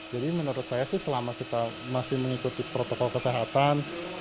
jadi menurut saya sih selama kita masih mengikuti protokol kesehatan